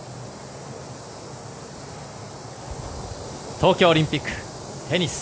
東京オリンピック、テニス。